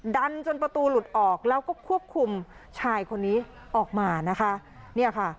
ดันจนประตูหลุดออกแล้วก็ควบคุมชายคนนี้ออกมานะคะเนี่ยค่ะ